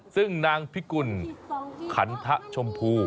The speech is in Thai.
ซึ่งนางพิกุลขันทะชมพู